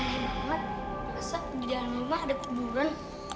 aneh banget masa di dalam rumah ada kuburan